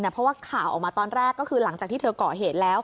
เพราะว่าข่าวออกมาตอนแรกก็คือหลังจากที่เธอก่อเหตุแล้ว